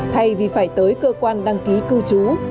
thay vì phải tới cơ quan đăng ký cư trú